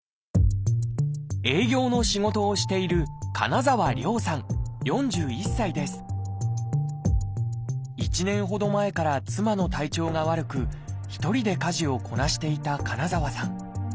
営業の仕事をしている１年ほど前から妻の体調が悪く一人で家事をこなしていた金澤さん。